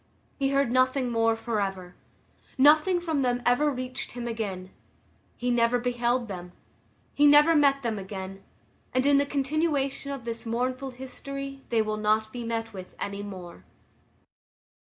He heard nothing more forever. Nothing from them ever reached him again; he never beheld them; he never met them again; and in the continuation of this mournful history they will not be met with any more.